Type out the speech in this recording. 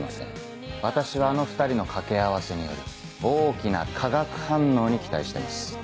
私はあの２人の掛け合わせによる大きな化学反応に期待してます